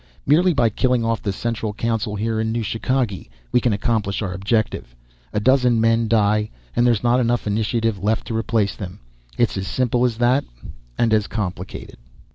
Merely by killing off the central council here in New Chicagee, we can accomplish our objective. A dozen men die, and there's not enough initiative left to replace them. It's as simple as that. And as complicated."